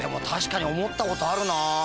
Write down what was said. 確かに思ったことあるなぁ。